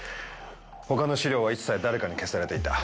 他の資料は一切誰かに消されていた。